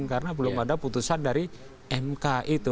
karena belum ada putusan dari mk itu